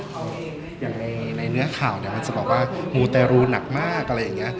อย่างในเนื้อข่าวเนี่ยมันจะบอกว่ามูแต่รู้หนักมากอะไรอย่างเงี้ย